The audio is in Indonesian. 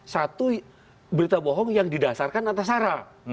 satu berita bohong yang didasarkan atas arah